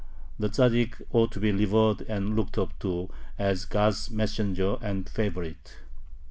The Tzaddik ought to be revered and looked up to as God's messenger and favorite.